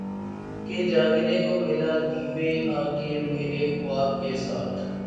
کہ جاگنے کو ملا دیوے آکے میرے خواب کیساتھ